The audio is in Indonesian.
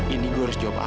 ini gue harus jawab apa ya